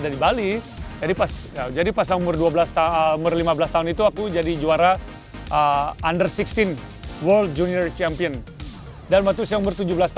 saya merasa gemar intensive